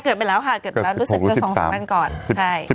เกิดเป็นแล้วค่ะ